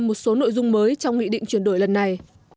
một số nội dung mới trong nghị định chuyển đổi lần này